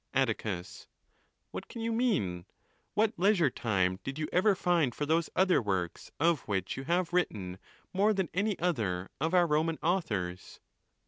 Atticus,—What can you mean? What leisure time did you ever find for those other works of which you have. written more than any other of our Roman authors